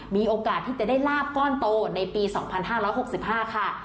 มีโอกาสที่จะได้ลาบก้อนโตในปี๒๕๖๕ค่ะ